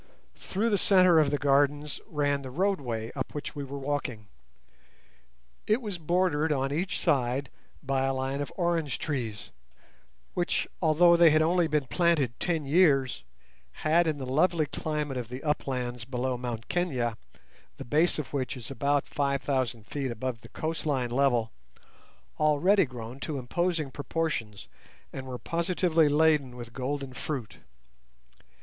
Through the centre of the gardens ran the roadway up which we were walking. It was bordered on each side by a line of orange trees, which, although they had only been planted ten years, had in the lovely climate of the uplands below Mt Kenia, the base of which is about 5,000 feet above the coastline level, already grown to imposing proportions, and were positively laden with golden fruit.